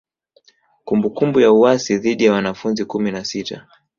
Kumbukumbu ya uasi dhidi ya wanafunzi kumi na sita